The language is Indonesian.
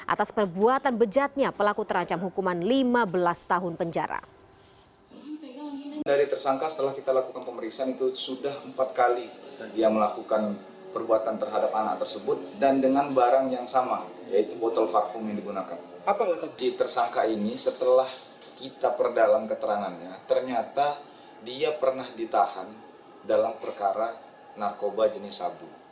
atas perbuatan bejatnya pelaku terancam hukuman lima belas tahun penjara